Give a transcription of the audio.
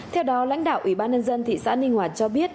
theo đó lãnh đạo ủy ban nhân dân thị xã ninh hòa cho biết